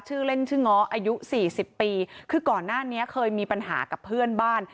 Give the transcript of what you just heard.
ชื่อเล่นชื่อง้ออายุสี่สิบปีคือก่อนหน้านี้เคยมีปัญหากับเพื่อนบ้าน